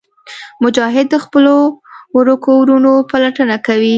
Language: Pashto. مجاهد د خپلو ورکو وروڼو پلټنه کوي.